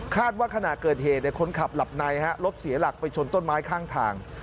ว่าขณะเกิดเหตุคนขับหลับในฮะรถเสียหลักไปชนต้นไม้ข้างทาง